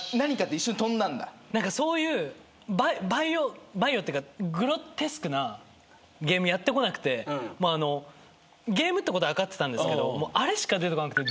何かそういう『バイオ』っていうかグロテスクなゲームやってこなくてもうあのゲームってことは分かってたんですけどあれしか出てこなくて。